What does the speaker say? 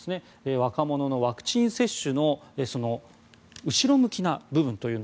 若者のワクチン接種の後ろ向きな部分。